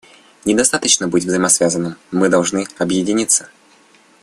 Недостаточно быть взаимосвязанными; мы должны объединиться.